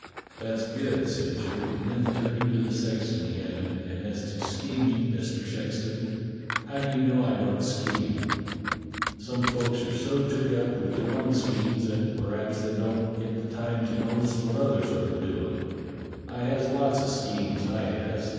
"That's good," said Jerk, and then turning to the sexton he added: "And as to scheming, Mister Sexton, how do you know I don't scheme .^^ Some folks are so took up with their own schemes that p'raps they don't get time to notice wot others are a doin'. I has lots of 158 A YOUNG RECRUIT 159 schemes, I has.